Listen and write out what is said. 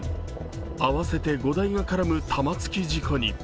合わせて５台が絡む玉突き事故に。